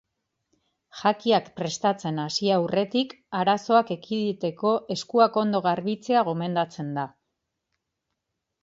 Jakiak prestatzen hasi aurretik arazoak ekiditeko eskuak ondo garbitzea gomendatzen da.